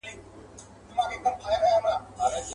په غاښونو یې ورمات کړله هډوکي.